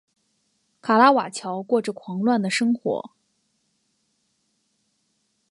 卡拉瓦乔过着狂乱的生活。